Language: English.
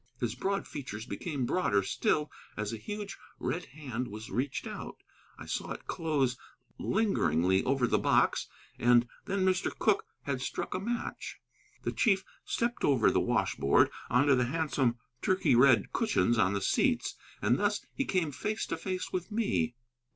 His broad features became broader still, as a huge, red hand was reached out. I saw it close lingeringly over the box, and then Mr. Cooke had struck a match. The chief stepped over the washboard onto the handsome turkey red cushions on the seats, and thus he came face to face with me.